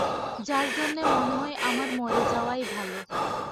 যার জন্যে মনে হয় আমার মরে যাওয়াই ভালো।